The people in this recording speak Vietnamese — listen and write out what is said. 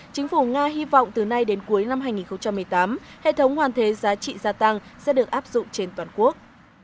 chính phủ nga hy vọng từ nay đến cuối năm hai nghìn một mươi tám hệ thống hoàn thuế giá trị gia tăng sẽ được áp dụng trên toàn quốc